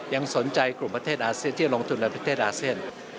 ยังสนใจกลุ่มประเทศอาเซียนที่จะลงทุนในประเทศอาเซียน